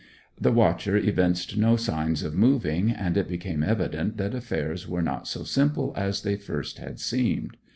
The watcher evinced no signs of moving, and it became evident that affairs were not so simple as they first had seemed.